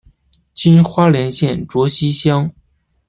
今花莲县卓溪乡。